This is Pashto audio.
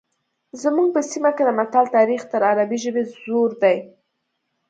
زموږ په سیمه کې د متل تاریخ تر عربي ژبې زوړ دی